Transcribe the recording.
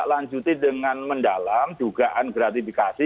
komisi pemberantasan korupsi